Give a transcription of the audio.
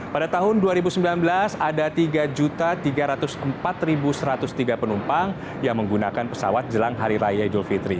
pada tahun dua ribu sembilan belas ada tiga tiga ratus empat satu ratus tiga penumpang yang menggunakan pesawat jelang hari raya idul fitri